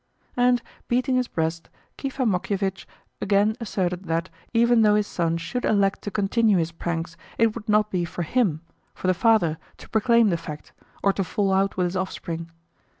And, beating his breast, Kifa Mokievitch again asserted that, even though his son should elect to continue his pranks, it would not be for HIM, for the father, to proclaim the fact, or to fall out with his offspring.